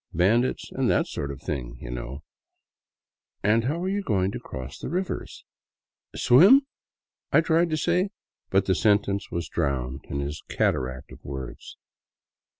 Bandits and that sort of thing, y' know. And how are you going to cross the rivers —?"Swim —" I tried to say, but the sentence was drowned in his cataract of words.